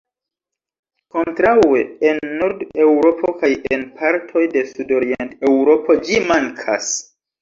Kontraŭe en Nord-Eŭropo kaj en partoj de Sudorient-Eŭropo ĝi mankas.